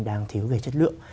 đang thiếu về chất lượng